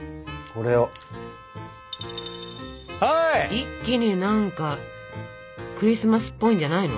一気に何かクリスマスっぽいんじゃないの？